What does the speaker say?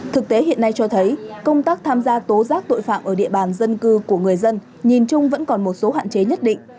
thực tế hiện nay cho thấy công tác tham gia tố giác tội phạm ở địa bàn dân cư của người dân nhìn chung vẫn còn một số hạn chế nhất định